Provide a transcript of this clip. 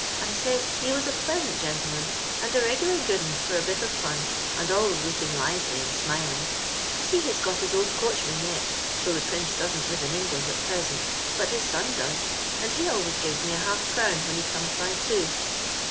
I says, ho was a pleasant gentleman, and a regular good 'un for a bit of fun, and always looking lively and smiling. I see he's got Ins old coachman yet, though tho Prince don't live in England at present, bat his son does, and he always gives me a half crown when he comes by too.